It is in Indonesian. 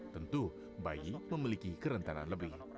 tentu bayi memiliki kerentanan lebih